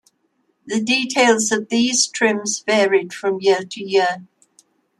The details of these trims varied from year to year.